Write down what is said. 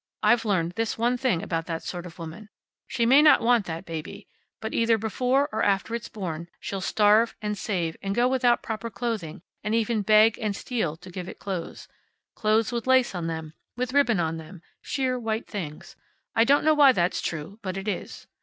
I've learned this one thing about that sort of woman: she may not want that baby, but either before or after it's born she'll starve, and save, and go without proper clothing, and even beg, and steal to give it clothes clothes with lace on them, with ribbon on them, sheer white things. I don't know why that's true, but it is.